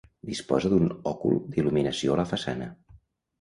Disposa d'un òcul d'il·luminació a la façana.